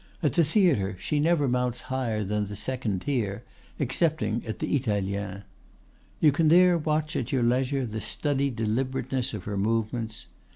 At the theatre she never mounts higher than the second tier, excepting at the Italiens. You can there watch at your leisure the studied deliberateness of her movements.